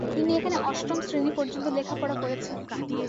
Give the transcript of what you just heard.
তিনি এখানে অষ্টম শ্রেণি পর্যন্ত লেখাপড়া করেছেন।